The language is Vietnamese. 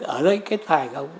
ở đây cái tài gấu